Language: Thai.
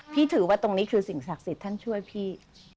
ถือว่าตรงนี้คือสิ่งศักดิ์สิทธิ์ท่านช่วยพี่